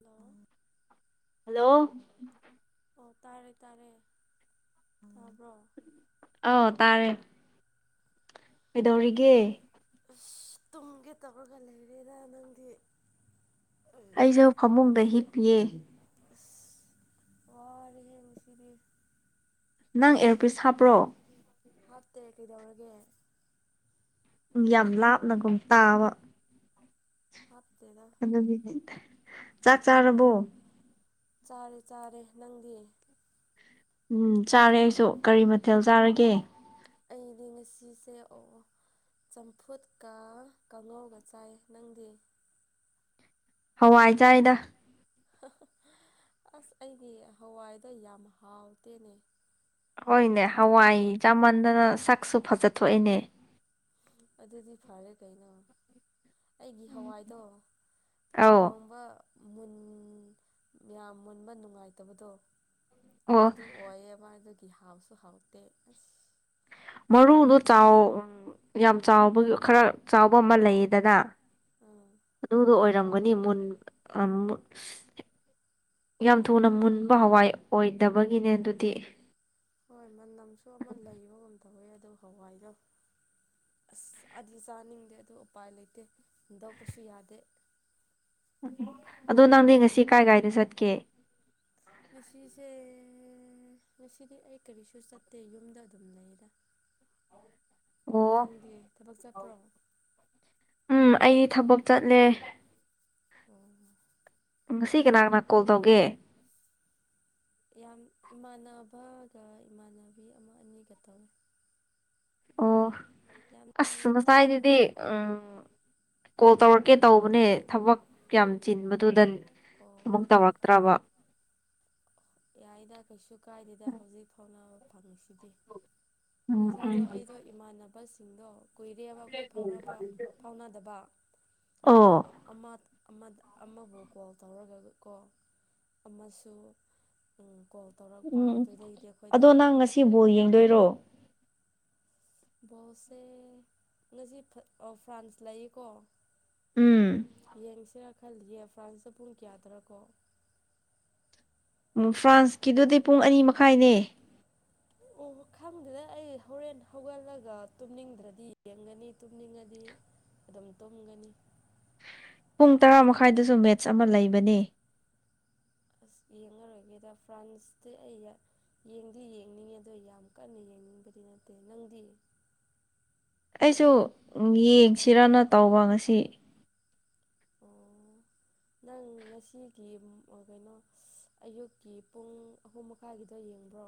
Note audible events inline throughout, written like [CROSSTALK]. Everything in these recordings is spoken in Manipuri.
ꯍꯜꯂꯣ ꯍꯜꯂꯣ ꯑꯣ ꯇꯥꯔꯦ ꯇꯥꯔꯦ ꯎꯝ ꯇꯥꯕ꯭ꯔꯣ ꯑꯧ ꯇꯥꯔꯦ ꯀꯩꯗꯧꯔꯤꯒꯦ ꯑꯨꯁ ꯇꯨꯝꯒꯦ ꯇꯧꯔꯒ ꯂꯩꯔꯦꯗ ꯅꯪꯗꯤ ꯑꯩꯁꯨ ꯐꯃꯨꯡꯗ ꯍꯤꯞꯄꯤꯌꯦ꯫ ꯑꯁ ꯋꯥꯔꯦꯍꯦ ꯉꯁꯤꯗꯤ ꯅꯪ ꯑꯦꯌꯔꯄꯤꯁ ꯍꯥꯞꯄ꯭ꯔꯣ ꯍꯥꯞꯇꯦ ꯀꯩꯗꯧꯔꯒꯦ ꯌꯥꯝ ꯂꯥꯞꯅꯒꯨꯝ ꯇꯥꯕ ꯍꯥꯞꯇꯦꯗ [UNINTELLIGIBLE] ꯆꯥꯛ ꯆꯥꯔꯕꯣ ꯆꯥꯔꯦ ꯆꯥꯔꯦ ꯅꯪꯗꯤ ꯎꯝ ꯆꯥꯔꯦ ꯑꯩꯁꯨ ꯀꯔꯤ ꯃꯊꯦꯜ ꯆꯥꯔꯒꯦ ꯑꯩꯗꯤ ꯉꯥꯁꯤꯁꯦ ꯑꯣ ꯑꯣ ꯆꯝꯐꯨꯠꯀ ꯀꯥꯡꯉꯧꯒ ꯆꯥꯏ ꯅꯪꯗꯤ ꯍꯋꯥꯏ ꯆꯥꯏꯗ ꯑꯁ ꯑꯩꯗꯤ ꯍꯋꯥꯏꯗꯣ ꯌꯥꯝ ꯍꯥꯎꯇꯦꯅꯦ꯫ ꯍꯣꯏꯅꯦ ꯍꯋꯥꯏ ꯊꯣꯡ ꯆꯥꯃꯟꯗꯅ ꯁꯥꯛꯁꯨ ꯐꯖ ꯊꯣꯛꯑꯦꯅꯦ꯫ ꯑꯗꯨꯗꯤ ꯐꯔꯦ ꯀꯩꯅꯣ ꯑꯩꯒꯤ ꯍꯋꯥꯏꯗꯣ ꯑꯧ ꯊꯣꯡꯕ ꯃꯨꯟ ꯌꯥꯝ ꯃꯨꯟꯕ ꯅꯨꯉꯥꯏꯇꯕꯗꯣ ꯑꯣ ꯑꯗꯣ ꯑꯣꯏꯌꯦꯕ ꯑꯗꯨꯒꯤ ꯍꯥꯎꯁꯨ ꯍꯥꯎꯇꯦ ꯑꯁ ꯃꯔꯨꯗꯣ ꯆꯥꯎ ꯎꯝ ꯌꯥꯝ ꯆꯥꯎꯕꯒꯤ ꯈꯔ ꯆꯥꯎꯕ ꯑꯃ ꯂꯩꯌꯦꯗꯅ ꯑꯥ ꯑꯗꯨꯗꯣ ꯑꯣꯏꯔꯝꯒꯅꯤ ꯃꯨꯟ ꯑ ꯃꯨꯠ ꯍꯦꯛ ꯌꯥꯝ ꯊꯨꯅ ꯃꯨꯟꯕ ꯍꯋꯥꯏ ꯑꯣꯏꯗꯕꯒꯤꯅꯦ ꯗꯨꯗꯤ ꯍꯣꯏ ꯃꯅꯝꯁꯨ ꯑꯃ ꯂꯩꯕꯒꯨꯝ ꯇꯧꯋꯦ ꯑꯗꯨ ꯍꯋꯥꯏꯗꯣ ꯑꯁ ꯑꯗꯤ ꯆꯥꯅꯤꯡꯗꯦ ꯑꯗꯨ ꯎꯄꯥꯏ ꯂꯩꯇꯦ ꯍꯨꯟꯗꯣꯛꯄꯁꯨ ꯌꯥꯗꯦ ꯑꯗꯣ ꯅꯪꯗꯤ ꯉꯁꯤ ꯀꯥꯏ ꯀꯥꯏꯗ ꯆꯠꯀꯦ ꯉꯁꯤꯁꯦ ꯉꯁꯤꯗꯤ ꯑꯩ ꯀꯔꯤꯁꯨ ꯆꯠꯇꯦ ꯌꯨꯝꯗ ꯑꯗꯨꯝ ꯂꯩꯌꯦꯗ [UNINTELLIGIBLE] ꯑꯣ ꯊꯕꯛ ꯆꯠꯄ꯭ꯔꯣ ꯑꯣ ꯎꯝ ꯑꯩ ꯊꯕꯛ ꯆꯠꯂꯦ ꯑꯣ ꯉꯁꯤ ꯀꯅꯥ ꯀꯅꯥ ꯀꯣꯜ ꯇꯧꯒꯦ ꯌꯥꯝ ꯏꯃꯥꯟꯅꯕꯒ ꯏꯃꯥꯟꯅꯕꯤ ꯑꯃ ꯑꯅꯤꯒ ꯇꯧꯋꯦ ꯑꯣ ꯌꯥꯝ ꯑꯁ ꯇꯧꯕ ꯅꯠꯇꯦꯗ ꯃꯆꯥꯥꯏꯗꯨꯗꯤ ꯎꯝ ꯀꯣꯜ ꯇꯧꯔꯛꯀꯦ ꯇꯧꯕꯅꯦ ꯊꯕꯛ ꯌꯥꯝ ꯆꯤꯟꯕꯗꯨꯗꯟ ꯑꯣ ꯑꯃꯨꯛ ꯇꯧꯔꯛꯇ꯭ꯔꯕ ꯌꯥꯏꯗ ꯀꯩꯁꯨ ꯀꯥꯏꯗꯦꯗ ꯍꯧꯖꯤꯛ ꯊꯣꯛꯂꯥꯎꯑꯣ ꯐꯪꯉꯤꯁꯤꯗꯤ ꯎꯝ ꯎꯝ ꯉꯁꯥꯏꯗꯣ ꯑꯩꯗꯣ ꯏꯃꯥꯟꯅꯕꯁꯤꯡꯗꯣ ꯀꯨꯏꯔꯦꯕ ꯑꯈꯣꯏ ꯐꯥꯎꯔꯕ ꯐꯥꯎꯅꯗꯕ ꯑꯗꯣ ꯑꯣ ꯑꯃꯥꯠ ꯑꯃꯗ ꯑꯃꯕꯨ ꯀꯣꯜ ꯇꯧꯔꯒ ꯀꯣ ꯑꯃꯁꯨ ꯎꯝ ꯀꯣꯜ ꯇꯧꯔꯛꯄ ꯑꯗꯨꯗꯒꯤꯗꯤ ꯑꯈꯣꯏꯗꯣ ꯁꯤ ꯕꯣꯜ ꯌꯦꯡꯗꯣꯏꯔꯣ ꯕꯣꯜꯁꯦ ꯉꯖꯤ ꯐꯠ ꯑꯣ ꯐ꯭ꯔꯥꯟꯁ ꯂꯩꯌꯦꯀꯣ ꯎꯝ ꯌꯦꯡꯁꯤꯔꯥ ꯈꯜꯂꯤꯌꯦ ꯐ꯭ꯔꯥꯟꯁꯅ ꯄꯨꯡ ꯀꯌꯥꯗꯔꯀꯣ ꯎꯝ ꯐ꯭ꯔꯥꯟꯁꯀꯤꯗꯨꯗꯤ ꯄꯨꯡ ꯑꯅꯤ ꯃꯈꯥꯏꯅꯦ ꯑꯣ ꯈꯪꯗꯦꯗ ꯑꯩ ꯍꯧꯔꯦꯟ ꯍꯧꯒꯠꯂꯒ ꯇꯨꯝꯅꯤꯡꯗ꯭ꯔꯗꯤ ꯌꯦꯡꯒꯅꯤ ꯇꯨꯝꯅꯤꯡꯉꯗꯤ ꯑꯗꯨꯝ ꯇꯨꯝꯒꯅꯤ ꯄꯨꯡ ꯇꯔꯥ ꯃꯈꯥꯏꯗꯁꯨ ꯃꯦꯠꯁ ꯑꯃ ꯂꯩꯕꯅꯤ ꯑꯁ ꯌꯦꯡꯉꯔꯣꯏꯒꯦꯗ ꯐ꯭ꯔꯥꯟꯁꯇꯤ ꯑꯩ ꯌꯥ ꯌꯦꯡꯗꯤ ꯌꯦꯡꯅꯤꯡꯉꯦ ꯑꯗꯣ ꯌꯥꯝ ꯀꯟꯅ ꯌꯦꯡꯅꯤꯡꯕꯗꯤ ꯅꯠꯇꯦ ꯅꯪꯗꯤ ꯑꯩꯁꯨ ꯎꯝ ꯌꯦꯡꯁꯤꯔꯅ ꯇꯧꯕ ꯉꯁꯤ ꯑꯣ ꯅꯪ ꯉꯁꯤꯒꯤ ꯑ ꯀꯩꯅꯣ ꯑꯌꯨꯛꯀꯤ ꯄꯨꯡ ꯑꯍꯨꯝ ꯃꯈꯥꯏꯒꯤꯗꯣ ꯌꯦꯡꯕ꯭ꯔꯣ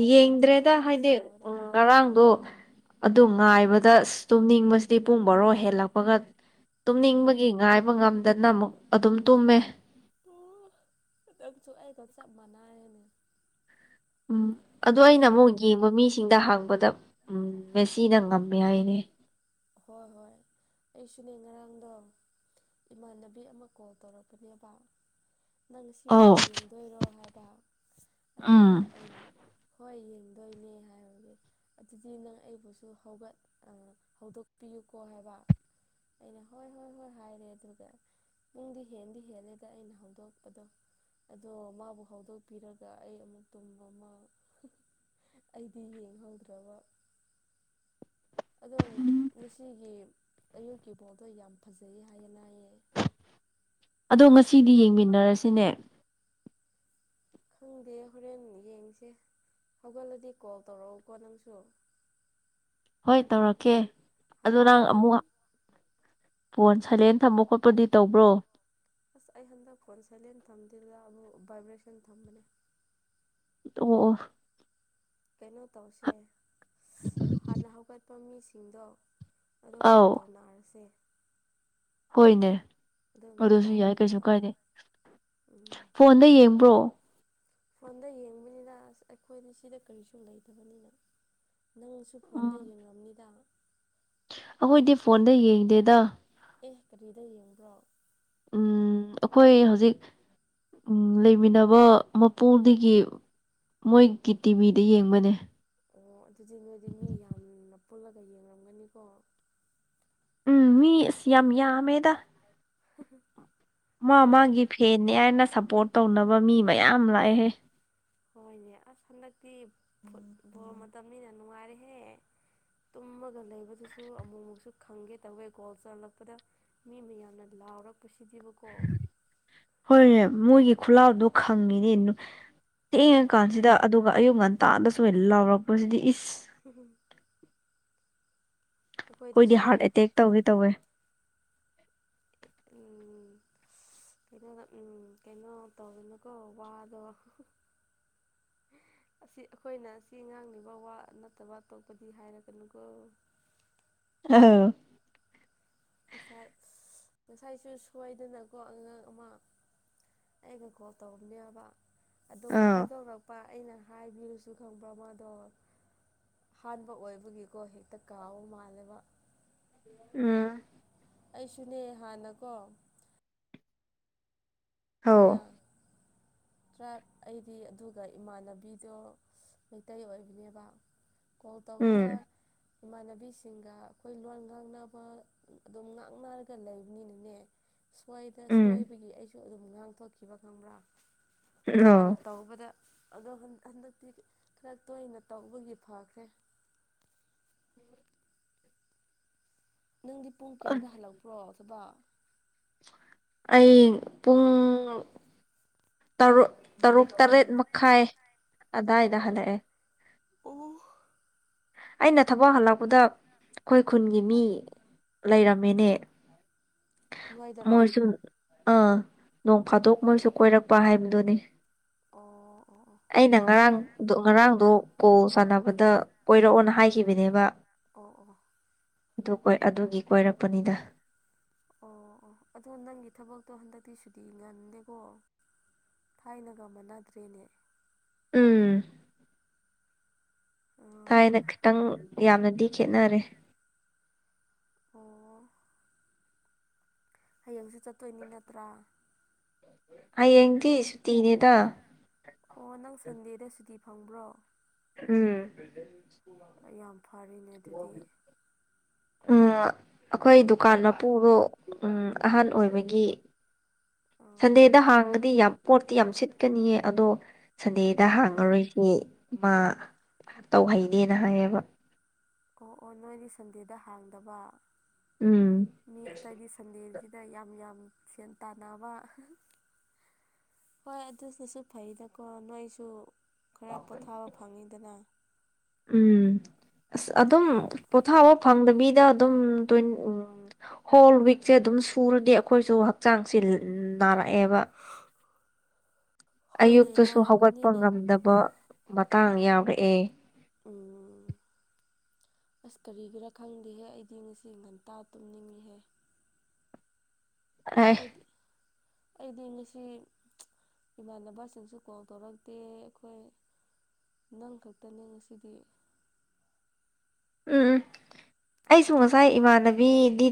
ꯑꯥꯔꯖꯦꯟꯇꯤꯅꯥ ꯌꯦꯡꯗ꯭ꯔꯦꯗ ꯍꯥꯏꯗꯤ ꯁꯥꯟꯅꯕꯗꯣ ꯑꯥ ꯉꯔꯥꯡꯗꯣ ꯑꯗꯨ ꯉꯥꯏꯕꯗ ꯑꯁꯇꯨꯝꯅꯤꯡꯕꯁꯤꯗꯤ ꯄꯨꯡ ꯕꯔꯣ ꯍꯦꯜꯂꯛꯄꯒꯛ ꯇꯨꯝꯅꯤꯡꯕꯒꯤ ꯉꯥꯏꯕ ꯉꯝꯗꯅ ꯑꯃꯨꯛ ꯑꯗꯨꯝ ꯇꯨꯝꯃꯦ ꯅꯪꯁꯨ ꯑꯩꯒ ꯆꯞ ꯃꯥꯟꯅꯌꯦꯅꯦ ꯎꯝ ꯑꯗꯣ ꯑꯩꯅ ꯑꯃꯨꯛ ꯌꯦꯡꯕ ꯃꯤꯁꯤꯡꯗ ꯍꯥꯡꯕꯗꯞ ꯎꯝ ꯃꯦꯁꯤꯅ ꯉꯝꯃꯦ ꯍꯥꯏꯌꯦꯅꯦ ꯍꯣꯏ ꯍꯣꯏ ꯑꯩꯁꯨꯅꯦ ꯉꯔꯥꯡꯗꯣ ꯏꯃꯥꯟꯅꯕꯤ ꯑꯃ ꯀꯣꯜ ꯇꯧꯔꯛꯄꯅꯦꯕ ꯅꯪ ꯉꯁꯤ ꯕꯣꯜ ꯑꯧ ꯌꯦꯡꯗꯣꯏꯔꯣ ꯍꯥꯏꯕ ꯑꯗꯨꯗ ꯎꯝ ꯑꯩꯅ ꯍꯣꯏ ꯌꯦꯡꯗꯣꯏꯅꯦ ꯍꯥꯏꯕꯒꯤ ꯑꯗꯨꯗꯤ ꯅꯪ ꯑꯩꯕꯨꯁꯨ ꯍꯧꯒꯠ ꯑ ꯍꯧꯗꯣꯛꯄꯤꯌꯨꯀꯣ ꯍꯥꯏꯕ ꯑꯩꯅ ꯍꯣꯏ ꯍꯣꯏ ꯍꯣꯏ ꯍꯥꯏꯔꯦ ꯑꯗꯨꯒ ꯄꯨꯡꯗꯤ ꯍꯦꯟꯗꯤ ꯍꯦꯜꯂꯦꯗ ꯑꯩꯅ ꯍꯧꯗꯣꯛꯄꯗꯣ ꯑꯗꯣ ꯃꯥꯕꯨ ꯍꯧꯗꯣꯛꯄꯤꯔꯒ ꯑꯩ ꯑꯃꯨꯛ ꯇꯨꯝꯕ ꯑꯃ ꯑꯩꯗꯤ ꯌꯦꯡꯍꯧꯗ꯭ꯔꯕ ꯑꯗꯣ ꯉꯁꯤꯒꯤ ꯑꯌꯨꯛꯀꯤ ꯕꯣꯜꯗꯣ ꯌꯥꯝ ꯐꯖꯩ ꯍꯥꯏꯌꯦꯅ ꯍꯥꯏꯌꯦ ꯑꯗꯣ ꯉꯁꯤꯗꯤ ꯌꯦꯡꯃꯤꯟꯅꯔꯁꯤꯅꯦ ꯈꯪꯗꯦ ꯍꯣꯔꯦꯟ ꯌꯦꯡꯁꯦ ꯍꯧꯒꯠꯂꯗꯤ ꯀꯣꯜ ꯇꯧꯔꯛꯎꯀꯣ ꯅꯪꯁꯨ ꯍꯣꯏ ꯇꯧꯔꯛꯀꯦ ꯑꯗꯣ ꯍꯥꯟꯅ ꯅꯪ ꯍꯧꯒꯠ ꯑꯃꯨꯛ ꯐꯣꯟ ꯁꯥꯏꯂꯦꯟ ꯊꯝꯕ ꯈꯣꯠꯄꯗꯤ ꯇꯧꯕ꯭ꯔꯣ ꯑꯁ ꯑꯩ ꯍꯟꯗꯛ ꯐꯣꯟ ꯁꯥꯏꯂꯦꯟ ꯊꯝꯗꯦꯗꯕꯨ [UNINTELLIGIBLE] ꯚꯥꯏꯕ꯭ꯔꯦꯁꯟ ꯊꯝꯕꯅꯦ ꯑꯣ ꯑꯣ ꯀꯩꯅꯣ ꯇꯧꯁꯦ ꯍꯥꯟꯅ ꯍꯧꯒꯠꯄ ꯃꯤꯁꯤꯡꯗꯣ ꯑꯗꯣ ꯀꯣꯜ ꯑꯧ ꯇꯧꯅꯔꯁꯦ ꯍꯣꯏꯅꯦ ꯑꯗꯨꯅ ꯑꯗꯨꯁꯨ ꯌꯥꯏ ꯀꯩꯁꯨ ꯐꯔꯅꯦꯕ ꯀꯥꯏꯗ ꯎꯝ ꯐꯣꯟꯗ ꯌꯦꯡꯕ꯭ꯔꯣ ꯐꯣꯟꯗ ꯌꯦꯡꯕꯅꯤꯅ ꯑꯁ ꯑꯩꯈꯣꯏꯗꯤ ꯁꯤꯗ ꯀꯔꯤꯁꯨ ꯂꯩꯇꯕꯅꯤꯅ ꯅꯪꯁꯨ ꯐꯣꯟꯗ ꯎꯝ ꯌꯦꯡꯔꯝꯅꯤꯗ ꯑꯩꯈꯣꯏꯗꯤ ꯐꯣꯟꯗ ꯌꯦꯡꯗꯦꯗ ꯑꯦ ꯀꯔꯤꯗ ꯌꯦꯡꯕ꯭ꯔꯣ ꯎꯝ ꯑꯩꯈꯣꯏ ꯍꯧꯖꯤꯛ ꯎꯝ ꯂꯩꯃꯤꯟꯅꯕ ꯃꯄꯨꯜꯗꯒꯤ ꯃꯣꯏꯒꯤ ꯇꯤꯚꯤꯗ ꯌꯦꯡꯕꯅꯦ ꯑꯣ ꯑꯗꯨꯗꯤ ꯅꯣꯏꯗꯤ ꯃꯤ ꯌꯥꯝꯅ ꯄꯨꯜꯂꯒ ꯌꯦꯡꯉꯝꯒꯅꯤꯀꯣ ꯎꯝ ꯃꯤ ꯏꯁ ꯌꯥꯝ ꯌꯥꯝꯃꯦꯗ ꯍꯍ ꯃꯥ ꯃꯥꯒꯤ ꯐꯦꯟꯅꯤ ꯍꯥꯏꯅ ꯁꯞꯄꯣꯔꯠ ꯇꯧꯅꯕ ꯃꯤ ꯃꯌꯥꯝ ꯂꯥꯛꯑꯦꯍꯦ ꯍꯣꯏꯅꯦ ꯑꯁ ꯍꯟꯗꯛꯇꯤ ꯐꯨꯠ ꯕꯣꯜ ꯃꯇꯝꯅꯤꯅ ꯅꯨꯡꯉꯥꯏꯔꯦꯍꯦ ꯇꯨꯝꯃꯒ ꯂꯩꯕꯗꯨꯁꯨ ꯑꯃꯨꯛꯃꯨꯛꯁꯨ ꯈꯪꯒꯦ ꯇꯧꯋꯦ ꯒꯣꯜ ꯆꯥꯜꯂꯛꯄꯗ ꯃꯤ ꯃꯌꯥꯝꯅ ꯂꯥꯎꯔꯛꯄꯁꯤꯗꯤꯕ ꯍꯣꯏꯅꯦ ꯃꯣꯏꯒꯤ ꯈꯨꯜꯂꯥꯎꯗꯣ ꯈꯪꯉꯤꯅꯦ ꯊꯦꯡꯉꯀꯥꯟꯁꯤꯗ ꯑꯗꯨꯒ ꯑꯌꯨꯛ ꯉꯟꯇꯥꯗꯁꯨ ꯂꯥꯎꯔꯛꯄꯁꯤꯗꯤ ꯏꯁ ꯍꯝ ꯍꯝ ꯑꯩꯈꯣꯏꯗꯤ ꯑꯩꯈꯣꯏꯗꯁꯨꯅꯦ ꯍꯥꯔꯠ ꯑꯦꯇꯦꯛ ꯇꯧꯒꯦ ꯇꯧꯋꯦ ꯎꯝ ꯁ ꯀꯩꯅꯣ ꯎꯝ ꯀꯩꯅꯣ ꯇꯧꯔꯨꯅꯨꯀꯣ ꯋꯥꯗꯣ ꯑꯁꯤ ꯑꯩꯈꯣꯏꯅ ꯑꯁꯤ ꯉꯥꯡꯂꯤꯕ ꯋꯥ ꯅꯠꯇꯕ ꯇꯣꯛꯄꯗꯤ ꯍꯥꯏꯔꯛꯒꯅꯨꯀꯣ [UNINTELLIGIBLE] ꯉꯁꯥꯏ ꯉꯁꯥꯏꯁꯨ ꯁꯣꯏꯗꯅꯀꯣ ꯑꯉꯥꯡ ꯑꯃ ꯑꯩꯒ ꯀꯣꯜ ꯇꯧꯕꯅꯦꯕ ꯑꯗꯨꯝ ꯑ ꯍꯥꯏꯗꯣꯔꯛꯄ ꯑꯩꯅ ꯍꯥꯏꯕꯤꯔꯁꯨ ꯈꯪꯕ꯭ꯔꯥ ꯃꯥꯗꯣ ꯑꯍꯥꯟꯕ ꯑꯣꯏꯕꯒꯤꯀꯣ ꯍꯦꯛꯇ ꯀꯥꯎꯕ ꯃꯥꯜꯂꯦꯕ ꯎꯝ ꯑꯩꯁꯨꯅꯦ ꯍꯥꯟꯅꯀꯣ ꯍꯧ ꯀꯥꯅ ꯇ꯭ꯔꯥꯏꯞ ꯑꯩꯗꯤ ꯑꯗꯨꯒ ꯏꯃꯥꯟꯅꯕꯤꯗꯣ ꯃꯩꯇꯩ ꯑꯣꯏꯕꯅꯦꯕ ꯀꯣꯜ ꯇꯧꯕꯗ ꯎꯝ ꯏꯃꯥꯟꯅꯕꯤꯁꯤꯡꯒ ꯑꯩꯈꯣꯏ ꯂꯣꯟ ꯉꯥꯡꯅꯕ ꯑꯗꯨꯝ ꯉꯥꯡꯅꯔꯒ ꯂꯩꯕꯅꯤꯅꯅꯦ ꯁꯣꯏꯗ ꯎꯝ ꯁꯣꯏꯕꯒꯤ ꯑꯩꯁꯨ ꯑꯗꯨꯝ ꯉꯥꯡꯊꯣꯛꯈꯤꯕ ꯈꯪꯕ꯭ꯔꯥ ꯑ ꯍꯥꯟꯅ ꯇꯧꯕꯗ ꯑꯗꯣ ꯍꯟꯗꯛꯇꯤ ꯈꯔ ꯇꯣꯏꯅ ꯇꯧꯕꯒꯤ ꯐꯈ꯭ꯔꯦ ꯅꯪꯗꯤ ꯄꯨꯡ ꯀꯌꯥꯗ ꯍꯜꯂꯛꯄ꯭ꯔꯣ ꯊꯕꯛ ꯑꯩ ꯄꯨꯡ ꯇꯔꯨꯛ ꯇꯔꯨꯛ ꯇꯔꯦꯠ ꯃꯈꯥꯏ ꯑꯗꯥꯏꯗ ꯍꯜꯂꯛꯑꯦ ꯎ ꯑꯩꯅ ꯊꯕꯛ ꯍꯜꯂꯛꯄꯗ ꯑꯩꯈꯣꯏ ꯈꯨꯟꯒꯤ ꯃꯤ ꯂꯩꯔꯝꯃꯦꯅꯦ ꯅꯣꯏꯗꯔꯣ ꯃꯣꯏꯁꯨ ꯑꯥ ꯅꯣꯡ ꯐꯥꯗꯣꯛ ꯃꯣꯏꯁꯨ ꯀꯣꯏꯔꯛꯄ ꯍꯥꯏꯕꯗꯨꯅꯤ ꯑꯣ ꯑꯣ ꯑꯣ ꯑꯩꯅ ꯉꯔꯥꯡꯗ ꯉꯔꯥꯡꯗꯣ ꯀꯣꯜ ꯁꯥꯟꯅꯕꯗ ꯀꯣꯏꯔꯛꯑꯣꯅ ꯍꯥꯏꯈꯤꯕꯅꯦꯕ ꯑꯣ ꯑꯣ ꯑꯗꯨ ꯀꯣꯏ ꯑꯗꯨꯒꯤ ꯀꯣꯏꯔꯛꯄꯅꯤꯅ ꯑꯣ ꯑꯣ ꯑꯗꯣ ꯅꯪꯒꯤ ꯊꯕꯛꯇꯣ ꯍꯟꯗꯛꯇꯤ ꯁꯨꯗꯤ ꯉꯟꯗꯦꯀꯣ ꯊꯥꯏꯅꯒ ꯃꯅꯗ꯭ꯔꯦꯅꯦ ꯎꯝ ꯑ ꯊꯥꯏꯅ ꯈꯤꯇꯪ ꯌꯥꯝꯅꯗꯤ ꯈꯦꯠꯅꯔꯦ ꯑꯣ ꯍꯌꯦꯡꯁꯨ ꯆꯠꯇꯣꯏꯅꯤ ꯅꯠꯇ꯭ꯔꯥ ꯍꯌꯦꯡꯗꯤ ꯁꯨꯇꯤꯅꯦꯗ ꯑꯣ ꯅꯪ ꯁꯟꯗꯦꯗ ꯁꯨꯇꯤ ꯐꯪꯕ꯭ꯔꯣ ꯎꯝ ꯌꯥꯝ ꯐꯔꯤꯅꯦ ꯑꯗꯨꯗꯤ ꯎꯝ ꯑꯩꯈꯣꯏ ꯗꯨꯀꯥꯟ ꯃꯄꯨꯗꯣ ꯎꯝ ꯑꯍꯥꯟ ꯑꯣꯏꯕꯒꯤ ꯑꯥ ꯁꯟꯗꯦꯗ ꯍꯥꯡꯉꯗꯤ ꯌꯥꯝ ꯄꯣꯠꯇꯤ ꯌꯥꯝ ꯁꯤꯠꯀꯅꯤꯌꯦ ꯑꯗꯣ ꯁꯟꯗꯦꯗ ꯑꯣ ꯍꯥꯡꯉꯔꯣꯏ ꯃꯤ ꯃꯥ ꯇꯧꯍꯩꯗꯦꯅ ꯍꯥꯏꯌꯦꯕ ꯑꯣ ꯑꯣ ꯅꯣꯏꯗꯤ ꯁꯟꯗꯦꯗ ꯍꯥꯡꯗꯕ ꯎꯝ ꯃꯤ ꯑꯇꯩꯗꯤ ꯁꯟꯗꯦꯁꯤꯗ ꯌꯥꯝ ꯌꯥꯝ ꯁꯦꯟ ꯇꯥꯟꯅꯕ ꯍꯣꯏ ꯑꯗꯨꯗꯁꯨ ꯐꯩꯗꯀꯣ ꯅꯣꯏꯁꯨ ꯈꯔ ꯄꯣꯊꯥꯕ ꯐꯪꯉꯤꯗꯅ ꯎꯝ ꯑꯁ ꯑꯗꯨꯝ ꯄꯣꯊꯥꯕ ꯐꯪꯗꯕꯤꯗ ꯑꯗꯨꯝ ꯇ ꯎꯝ ꯍꯣꯜ ꯋꯤꯛꯁꯦ ꯑꯗꯨꯝ ꯁꯨꯔꯗꯤ ꯑꯩꯈꯣꯏꯁꯨ ꯍꯛꯆꯥꯡꯁꯦ ꯅꯥꯔꯛꯑꯦꯕ ꯍꯣꯏꯅꯦ ꯑꯌꯨꯛꯇꯁꯨ ꯍꯧꯒꯠꯄ ꯅꯥꯔꯛꯀꯅꯤꯅꯦ ꯉꯝꯗꯕ ꯃꯇꯥꯡ ꯌꯥꯎꯔꯛꯑꯦ ꯎꯝ ꯑꯁ ꯀꯔꯤꯒꯤꯔ ꯈꯪꯗꯦꯍꯦ ꯑꯩꯗꯤ ꯉꯁꯤ ꯉꯟꯇꯥ ꯇꯨꯝꯅꯤꯡꯉꯤꯍꯦ ꯑꯦ ꯑꯩ ꯑꯩꯗꯤ ꯉꯁꯤ ꯏꯃꯥꯟꯅꯕꯁꯤꯡꯁꯨ ꯀꯣꯜ ꯇꯧꯔꯛꯇꯦ ꯑꯩꯈꯣꯏ ꯅꯪ ꯈꯛꯇꯅꯦ ꯉꯁꯤꯗꯤ ꯎꯝ ꯎꯝ ꯑꯩꯁꯨ ꯉꯁꯥꯏ ꯏꯃꯥꯟꯅꯕꯤꯗꯤ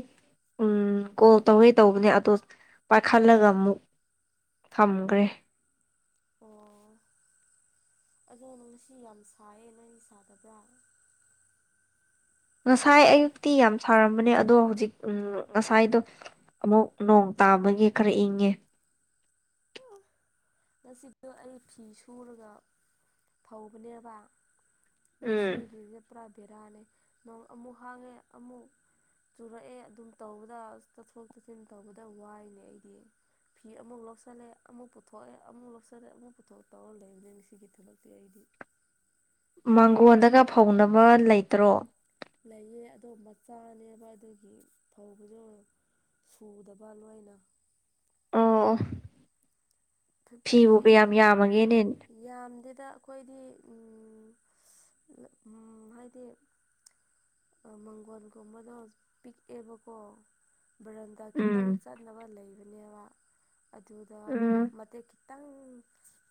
ꯎꯝ ꯀꯣꯜ ꯇꯧꯋꯦ ꯇꯧꯕꯅꯦ ꯑꯗꯣ ꯄꯥꯏꯈꯠꯂꯒ ꯑꯃꯨꯛ ꯊꯝꯈ꯭ꯔꯦ ꯑꯣ ꯑꯗꯣ ꯉꯁꯤ ꯌꯥꯝ ꯁꯥꯏꯌꯦ ꯅꯪ ꯁꯥꯗꯕ꯭ꯔꯥ ꯉꯁꯥꯏ ꯑꯌꯨꯛꯇꯤ ꯌꯥꯝ ꯁꯥꯔꯝꯕꯅꯦ ꯑꯗꯣ ꯍꯧꯖꯤꯛ ꯎꯝ ꯉꯁꯥꯏꯗꯣ ꯑꯃꯨꯛ ꯅꯣꯡ ꯇꯥꯕꯒꯤ ꯈꯔ ꯏꯪꯉꯦ ꯉꯁꯤꯗꯣ ꯑꯩ ꯐꯤ ꯁꯨꯔꯒ ꯐꯧꯕꯅꯦꯕ ꯎꯝ ꯉꯁꯤꯒꯤꯖ‌ꯦ ꯄꯨꯔꯥ ꯕꯦꯔꯥꯅꯦ ꯅꯣꯡ ꯑꯃꯨꯛ ꯍꯥꯡꯉꯦ ꯑꯃꯨꯛ ꯆꯨꯔꯛꯑꯦ ꯑꯗꯨꯝ ꯇꯧꯕꯗ ꯆꯠꯊꯣꯛ ꯇꯠꯁꯤꯟ ꯇꯧꯕꯗ ꯋꯥꯏꯅꯦ ꯑꯩꯗꯤ ꯐꯤ ꯑꯃꯨꯛ ꯂꯧꯁꯤꯜꯂꯦ ꯑꯃꯨꯛ ꯄꯨꯊꯣꯛ ꯄ‌ꯣꯛꯑꯦ ꯑꯃꯨꯛ ꯂꯧꯁꯜꯂꯦ ꯑꯃꯨꯛ ꯄꯨꯊꯣꯛ ꯇꯧꯔꯒ ꯂꯩꯕꯅꯤ ꯉꯁꯤꯒꯤ ꯊꯕꯛꯇꯤ ꯑꯩꯗꯤ ꯃꯥꯡꯒꯣꯟꯗꯒ ꯐꯧꯅꯕ ꯂꯩꯇ꯭ꯔꯣ ꯂꯩꯌꯦ ꯑꯗꯣ ꯃꯆꯥꯅꯦꯕ ꯑꯗꯨꯒꯤ ꯐꯧꯕꯗꯣ ꯁꯨꯗꯕ ꯂꯣꯏꯅ ꯑꯣꯑꯣ ꯐꯤꯕꯨ ꯐꯤ ꯀꯌꯥꯝ ꯌꯥꯝꯃꯒꯦꯅꯦ ꯌꯥꯝꯗꯦꯗ ꯑꯩꯈꯣꯏꯗꯤ ꯎꯝ ꯎꯝ ꯍꯥꯏꯗꯤ ꯑ ꯃꯪꯒꯣꯜꯒꯨꯝꯕꯗꯣ ꯄꯤꯛꯑꯦꯕꯀꯣ ꯕꯔꯟꯗ ꯎꯝ ꯈꯤꯇꯪ ꯆꯠꯅꯕ ꯂꯩꯕꯅꯦꯕ ꯑꯗꯨꯗ ꯎꯝ ꯃꯇꯦꯛ ꯈꯤ ꯇꯪ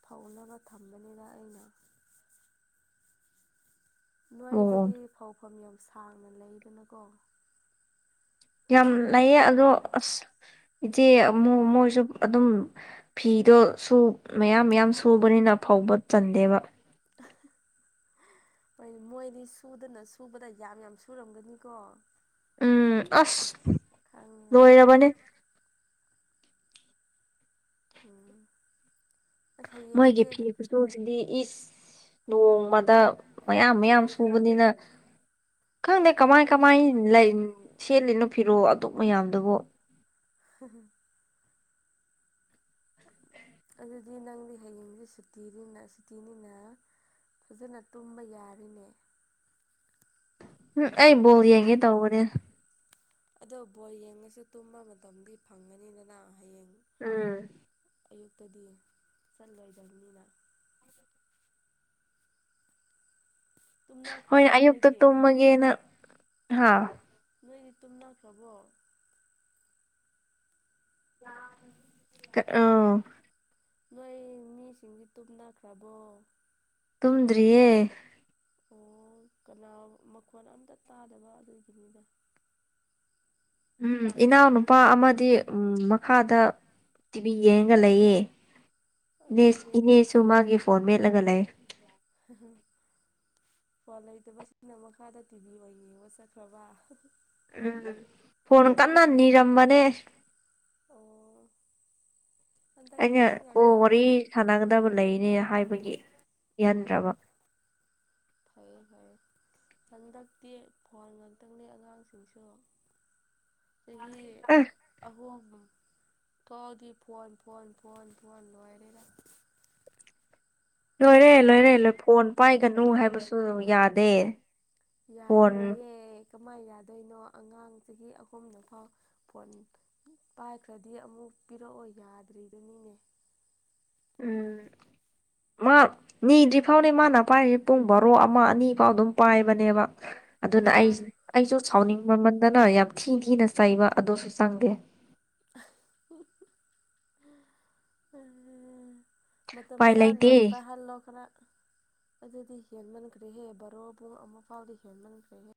ꯐꯧꯅꯕ ꯊꯝꯕꯅꯤꯗ ꯑꯩꯅ ꯅꯣꯏ ꯑꯣ ꯑꯗꯨꯗꯤ ꯐꯧꯐꯝ ꯌꯥꯝ ꯁꯥꯡꯅ ꯂꯩꯗꯅꯀꯣ ꯌꯥꯝ ꯂꯩꯌꯦ ꯑꯗꯣ ꯑꯁ ꯏꯆꯦ ꯑꯃꯨ ꯃꯣꯏꯁꯨ ꯑꯗꯨꯝ ꯐꯤꯗꯣ ꯁꯨ ꯃꯌꯥꯝ ꯃꯌꯥꯝ ꯁꯨꯕꯅꯤꯅ ꯐꯧꯕ ꯆꯟꯗꯦꯕ ꯍꯣꯏ ꯃꯣꯏꯗꯤ ꯁꯨꯗꯅ ꯁꯨꯕꯗ ꯌꯥꯝ ꯌꯥꯝ ꯁꯨꯔꯝꯒꯅꯤꯀꯣ ꯎꯝ ꯑꯁ ꯈꯪꯉꯦꯕ ꯑꯩ ꯂ‌ꯣꯏꯔꯕꯅꯦ ꯎꯝ ꯑꯁ ꯃꯣꯏꯒꯤ ꯍꯌꯦꯡꯗꯤ ꯐꯤ ꯈꯨꯁꯨꯁꯤꯗꯤ ꯏꯁ ꯅꯣꯡꯃꯗ ꯃꯌꯥꯝ ꯃꯌꯥꯝ ꯁꯨꯕꯅꯤꯅ ꯈꯪꯗꯦ ꯀꯃꯥꯏ ꯀꯃꯥꯏ ꯂꯩ ꯁꯦꯠꯂꯤꯅꯣ ꯐꯤꯔꯣ ꯑꯗꯨꯛ ꯃꯌꯥꯝꯗꯨꯕꯣ [UNINTELLIGIBLE] ꯑꯗꯨꯗꯤ ꯅꯪꯗꯤ ꯍꯌꯦꯡꯁꯤ ꯁꯨꯇꯤꯅꯤꯅ ꯁꯨꯇꯤꯅꯤꯅ ꯐꯖꯅ ꯇꯨꯝꯕ ꯌꯥꯔꯤꯅꯦ ꯍꯝ ꯑꯩꯕꯨ ꯑꯩ ꯕ‌ꯣꯜ ꯌꯦꯡꯒꯦ ꯇꯧꯕꯅꯦ ꯑꯗꯣ ꯕꯣꯜ ꯌꯦꯡꯉꯁꯨ ꯇꯨꯝꯕ ꯃꯇꯝꯗꯤ ꯐꯪꯒꯅꯤꯗꯅ ꯍꯌꯦꯡ ꯎꯝ ꯑꯌꯨꯛꯇꯗꯤ ꯆꯠꯂꯣꯏꯗꯕꯅꯤꯅ ꯍꯣꯏ ꯇꯨꯝꯅꯈ꯭ꯔꯕꯣ ꯑꯌꯨꯛꯇ ꯅꯣꯏꯗꯤ ꯇꯨꯝꯃꯒꯦꯅ ꯍꯥ ꯅꯣꯏꯗꯤ ꯇꯨꯝꯅꯈ꯭ꯔꯥꯕꯣ ꯑ ꯇꯥ ꯅꯣꯏ ꯃꯤꯁꯤꯡꯗꯤ ꯇꯨꯝꯅꯈ꯭ꯔꯕꯣ ꯇꯨꯝꯗ꯭ꯔꯤꯌꯦ ꯑꯣ ꯀꯅꯥ ꯃꯈꯣꯟ ꯑꯝꯇ ꯇꯥꯗꯕ ꯑꯗꯨꯒꯤꯅꯤꯗ ꯎꯝ ꯏꯅꯥꯎꯅꯨꯄꯥ ꯑꯃꯗꯤ ꯎꯝ ꯃꯈꯥꯗ ꯇꯤ ꯕꯤ ꯌꯦꯡꯉꯒ ꯂꯩꯌꯦ ꯏꯅꯦ ꯑꯁ ꯔꯦ ꯏꯅꯦꯁꯨ ꯃꯥꯒꯤ ꯐꯣꯟ ꯃꯦꯠꯂꯒ ꯂꯩ [UNINTELLIGIBLE] ꯐꯣꯟ ꯂꯩꯇꯕ ꯁꯤꯅ ꯃꯈꯥꯗ ꯇꯤꯚꯤ ꯑꯣꯏꯅ ꯌꯦꯡꯕ ꯆꯠꯈ꯭ꯔꯕ ꯎꯝ ꯐꯣꯟ ꯀꯟꯅ ꯅꯤꯔꯝꯕꯅꯦ ꯑꯣ ꯍꯟꯗꯛꯇꯤ ꯑꯩꯅ ꯁꯤ ꯀꯣꯜ ꯋꯥꯔꯤ ꯉꯥꯛꯇꯪꯅꯤꯅꯦ ꯁꯥꯟꯅꯒꯗꯕ ꯂꯩꯅꯦ ꯍꯥꯏꯕꯒꯤ ꯑꯣ ꯄꯤꯍꯟꯗ꯭ꯔꯕ ꯐꯔꯦ ꯐꯔꯦ ꯍꯟꯗꯛꯇꯤ ꯐꯣꯟ ꯉꯥꯛꯇꯪꯅꯦ ꯑꯉꯥꯡꯁꯤꯡꯁꯨ ꯆꯍꯤ ꯑꯦ ꯑꯍꯨꯝꯕꯨꯝ ꯊꫭꯛꯑꯗꯤ ꯐꯣꯟ ꯐꯣꯟ ꯐꯣꯟ ꯐꯣꯟ ꯂꯣꯏꯔꯦꯗ ꯂꯣꯏꯔꯦ ꯂꯣꯏꯔꯦ ꯂꯣꯏ ꯐꯣꯟ ꯄꯥꯏꯒꯅꯨ ꯍꯥꯏꯕꯁꯨ ꯌꯥꯗꯦ ꯐꯣꯟ ꯌꯥꯔꯔꯣꯏꯌꯦ ꯀꯃꯥꯏ ꯌꯥꯗꯣꯏꯅꯣ ꯑꯉꯥꯡ ꯆꯁꯤ ꯑꯍꯨꯝꯕꯨ ꯐꯥ ꯐꯣꯟ ꯄꯥꯏꯈ꯭ꯔꯥꯗꯤ ꯑꯃꯨꯛ ꯄꯤꯔꯛꯑꯣ ꯌꯥꯗ꯭ꯔꯤꯗꯨꯅꯤꯅꯦ ꯎꯝ ꯃꯥ ꯅꯤꯗ꯭ꯔꯤ ꯐꯥꯎꯅꯦ ꯃꯥꯅ ꯄꯥꯏꯔꯤ ꯄꯨꯡ ꯕꯥꯔꯣ ꯑꯃꯥ ꯑꯅꯤ ꯐꯥꯎ ꯑꯗꯨꯝ ꯄꯥꯏꯕꯅꯦꯕ ꯑꯗꯨꯅ ꯑꯣ ꯑꯩ ꯑꯩꯁꯨ ꯁꯥꯎꯅꯤꯡ ꯃꯃꯟꯗꯅ ꯌꯥꯝ ꯊꯤ ꯊꯤꯅ ꯆꯩꯕ ꯑꯗꯨꯁꯨ ꯆꯪꯗꯦ ꯃꯇꯝ ꯎꯄꯥꯏ ꯆꯥꯅ ꯂꯩꯇꯦ ꯄꯥꯏꯍꯜꯂꯣ ꯈꯔꯥ ꯑꯗꯨꯗꯤ ꯍꯦꯟꯃꯟꯈ꯭ꯔꯦꯍꯦ ꯕꯔꯣ ꯄꯨꯡ ꯑꯃꯥ ꯐꯥꯎꯗꯤ ꯍꯦꯟꯃꯟꯈ꯭ꯔꯦꯍꯦ